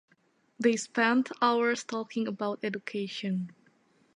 They spent hours talking about education.